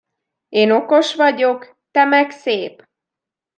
Én okos vagyok, te meg szép.